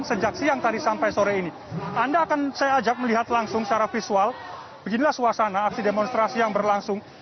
sejak siang tadi sampai sore ini anda akan saya ajak melihat langsung secara visual beginilah suasana aksi demonstrasi yang berlangsung